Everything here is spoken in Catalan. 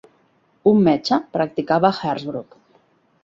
Un metge, practicava a Hersbruck.